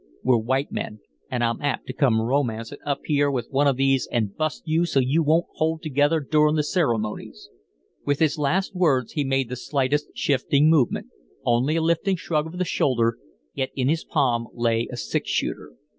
We're white men, an' I'm apt to come romancin' up here with one of these an' bust you so you won't hold together durin' the ceremonies." With his last words he made the slightest shifting movement, only a lifting shrug of the shoulder, yet in his palm lay a six shooter.